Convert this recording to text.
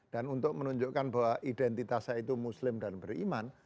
dan untuk menunjukkan bahwa identitas saya itu muslim dan beriman